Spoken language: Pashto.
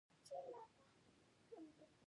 له پوهنتونونو فارغ کسان کار واخلي.